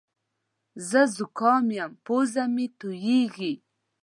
زه زوکام یم پزه مې تویېږې